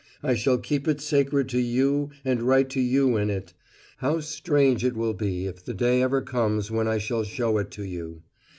I shall keep it sacred to You and write to You in it. How strange it will be if the day ever comes when I shall show it to You!